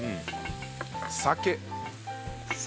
酒。